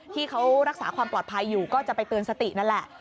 ที่เขารักษาความปลอดภัยอยู่ก็จะไปเตือนสตินั่นแหละ